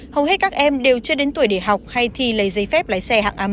hầu hết các em đều chưa đến tuổi để học hay thi lấy giấy phép lái xe hạng a một